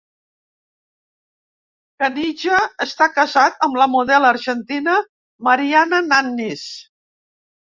Caniggia està casat amb la model argentina Mariana Nannis.